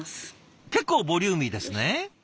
結構ボリューミーですね。